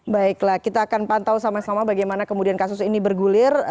baiklah kita akan pantau sama sama bagaimana kemudian kasus ini bergulir